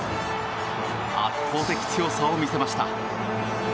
圧倒的強さを見せました。